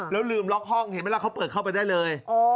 แล้วลืมล็อกห้องเห็นไหมล่ะเขาเปิดเข้าไปได้เลย